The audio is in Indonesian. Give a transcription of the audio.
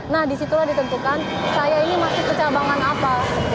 nah disitulah ditentukan saya ini masih kecabangan apa